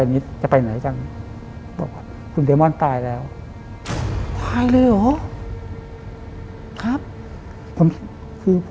นี้จะไปไหนจังบอกว่าคุณเดมอนตายแล้วตายเลยเหรอครับผมคือ